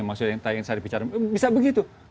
maksudnya yang tadi saya dibicarakan bisa begitu